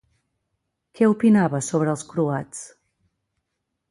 Què opinava sobre els croats?